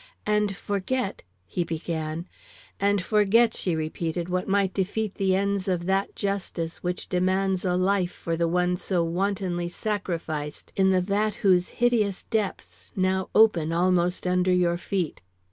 "And forget " he began. "And forget," she repeated, "what might defeat the ends of that justice which demands a life for the one so wantonly sacrificed in the vat whose hideous depths now open almost under your feet."